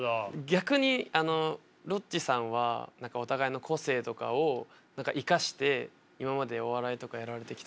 逆にロッチさんはお互いの個性とかを生かして今までお笑いとかやられてきた感じなんですか？